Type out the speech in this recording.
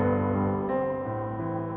aku merasa b